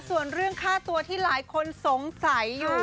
ส่วนเรื่องค่าตัวที่หลายคนสงสัยอยู่